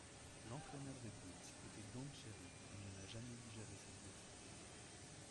L'entraîneur des Bruins était Don Cherry, et il n'a jamais digéré cette défaite.